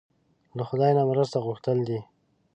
له خدای نه مرسته غوښتل دي.